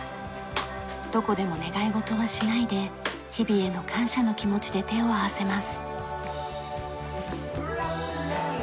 どこでも願い事はしないで日々への感謝の気持ちで手を合わせます。